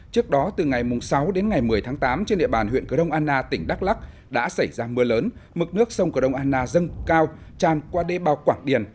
trước đó từ ngày sáu đến ngày một mươi tháng tám trên địa bàn huyện cờ đông anna tỉnh đắk lắc đã xảy ra mưa lớn mực nước sông cờ đông anna dâng cao tràn qua đê bao quảng điền